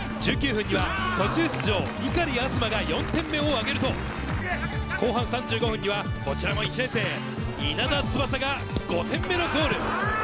１９分には途中出場、碇明日麻が４点目をあげると、後半３５分にはこちらも１年生・稲田翼が５点目のゴール。